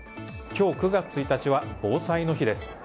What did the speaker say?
今日９月１日は防災の日です。